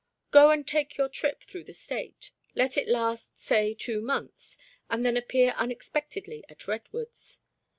Go and take your trip through the State. Let it last say two months, and then appear unexpectedly at Redwoods.